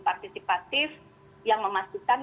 partisipatif yang memastikan